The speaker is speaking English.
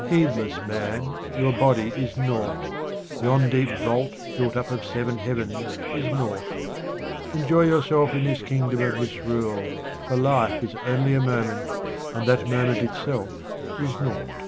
Heedless man, your body is nought. Yon deep vault built up of seven heavens is nought. Enjoy yourself in this kingdom of misrule, for life is only a moment, and that moment itself is nought.